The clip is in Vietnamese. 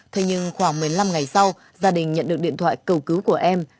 thế nhưng khoảng một mươi năm ngày sau gia đình nhận được điện thoại cầu cứu của em